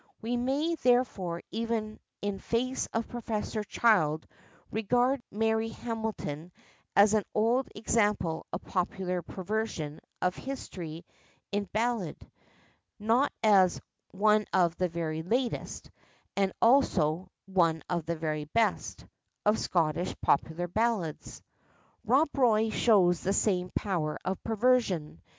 We may, therefore, even in face of Professor Child, regard Mary Hamilton as an old example of popular perversion of history in ballad, not as "one of the very latest," and also "one of the very best" of Scottish popular ballads. Rob Roy shows the same power of perversion.